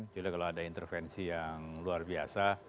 kalau ada intervensi yang luar biasa